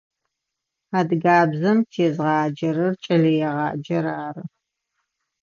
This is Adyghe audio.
Адыгабзэм тезгъаджэрэр кӏэлэегъаджэр ары.